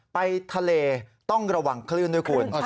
ไปทะเลต้องระวังคลื่นด้วยคุณ